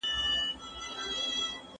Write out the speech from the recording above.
پرمختللي هېوادونه عصري ټیکنالوژي کاروي.